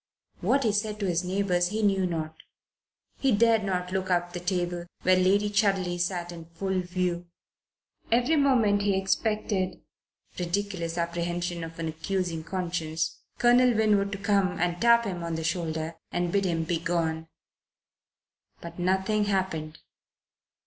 What he said to his neighbours he knew not. He dared not look up the table where Lady Chudley sat in full view. Every moment he expected ridiculous apprehension of an accusing conscience Colonel Winwood to come and tap him on the shoulder and bid him begone. But nothing happened.